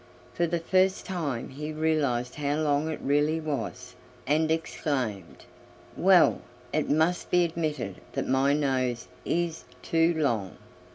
For the first time he realized how long it really was, and exclaimed: "Well, it must be admitted that my nose is too long!"